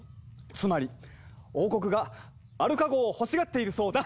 つまり王国がアルカ号を欲しがっているそうだ！